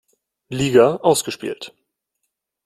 Liga ausgespielt.